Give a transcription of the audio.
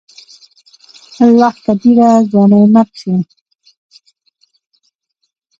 الله کبيره !ځواني مرګ شې.